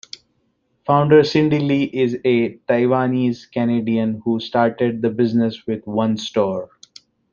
Founder Cindy Lee is a Taiwanese-Canadian who started the business with one store.